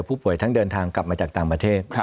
ผู้ป่วยทั้งเดินทางกลับมาจากต่างประเทศ